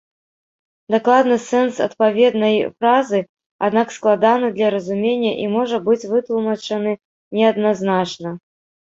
Дакладны сэнс адпаведнай фразы, аднак, складаны для разумення і можа быць вытлумачаны неадназначна.